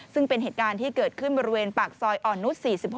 ซึ่งเป็นเหตุการณ์ที่เกิดขึ้นบริเวณปากซอยอ่อนนุษย์๔๖